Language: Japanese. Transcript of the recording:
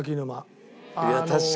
いやあ確かに。